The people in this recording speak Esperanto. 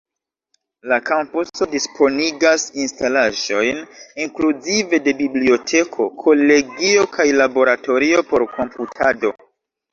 La kampuso disponigas instalaĵojn inkluzive de biblioteko, kolegio kaj laboratorio por komputado.